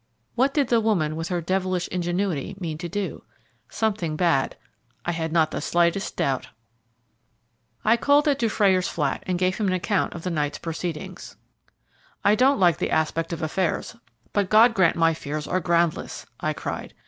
What did the woman, with her devilish ingenuity, mean to do? Something bad, I had not the slightest doubt. I called at Dufrayer's flat and gave him an account of the night's proceedings. "I don't like the aspect of affairs, but God grant my fears are groundless," I cried.